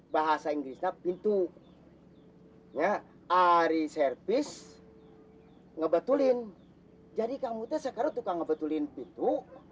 bahasa inggris pintu hai ya ari servis ngebetulin jadi kamu teks karena tukang ngebetulin pintu